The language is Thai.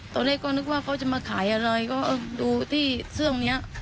ตอนแรกก็นึกว่าเขาจะมาขายอะไรก็ดูที่เครื่องนี้